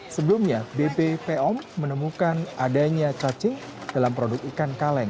sebelumnya bppom menemukan adanya cacing dalam produk ikan kaleng